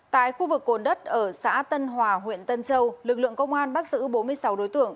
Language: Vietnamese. tại khu vực cồn đất ở xã tân hòa huyện tân châu lực lượng công an bắt giữ bốn mươi sáu đối tượng